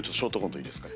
いいですかね。